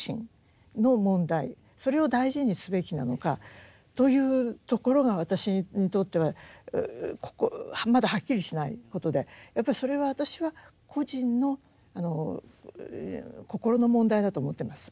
それを大事にすべきなのかというところが私にとってはここまだはっきりしないことでやっぱりそれは私は個人の心の問題だと思ってます。